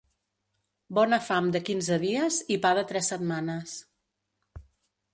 Bona fam de quinze dies i pa de tres setmanes.